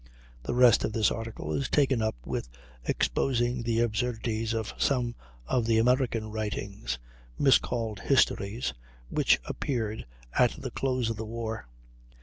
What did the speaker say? The rest of his article is taken up with exposing the absurdities of some of the American writings, miscalled histories, which appeared at the close of the war.